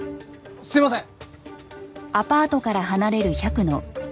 すいません。